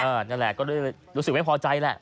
นั่นแหละก็เลยรู้สึกไม่พอใจแหละ